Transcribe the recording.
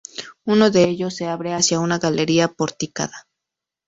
Uno de ellos se abre hacia una galería porticada.